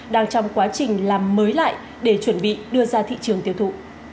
đang trong quá trình làm mới lại để chuẩn bị đưa ra thị trường tiêu thụ